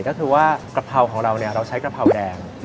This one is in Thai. ก็คือว่ากะเพราของเราเนี่ยเราใช้กะเพราแดง